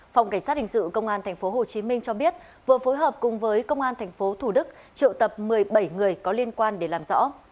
phòng cảnh sát hình sự công an tp hcm cho biết vừa phối hợp cùng với công an tp thủ đức triệu tập một mươi bảy người có liên quan để làm rõ